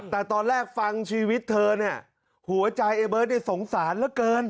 แต่ตอนแรกฟังชีวิตเธอหัวใจเบิร์ตได้สงสารเหลือเกิน